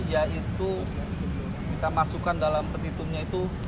yaitu kita masukkan dalam petitumnya itu